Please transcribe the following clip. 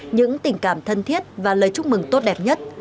những tình cảm thân thiết và lời chúc mừng tốt đẹp nhất